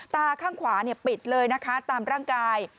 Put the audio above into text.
ตาข้างขวาปิดเลยนะคะตามร่างกาย